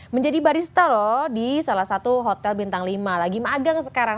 menjadi barista loh di salah satu hotel bintang lima lagi magang sekarang